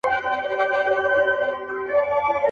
موږ ته مو قسمت پیالې نسکوري کړې د میو.